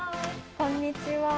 こんにちは。